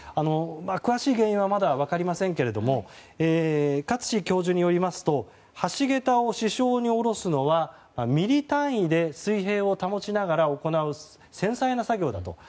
詳しい原因はまだ分かりませんけれども勝地教授によりますと橋桁を支承に下ろすのはミリ単位で水平を保ちながら行う繊細な作業だと。